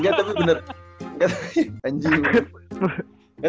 mind blowing engga tapi bener